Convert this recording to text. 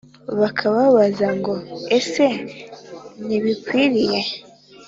bakababaza ngo «Ese ntibikwiye